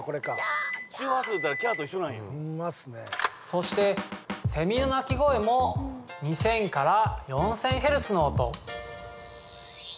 そしてセミの鳴き声も２０００４０００ヘルツの音